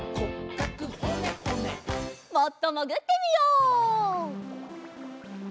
もっともぐってみよう。